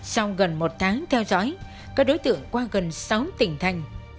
sau gần một tháng theo dõi các đối tượng qua gần sáu tỉnh thành